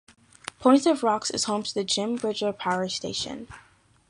Point of Rocks is home to the Jim Bridger Power Station.